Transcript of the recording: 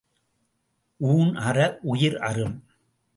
ஊண் அற உயிர் அறும்.